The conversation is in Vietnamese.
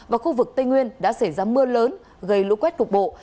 và khu vực tây nguyên đã xảy ra mưa lớn gây lũ quét cục bộ